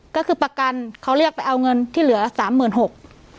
ก็คือประกันเขาเรียกไปเอาเงินที่เหลือสามหมื่นหก